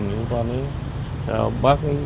nó liên quan đến bắc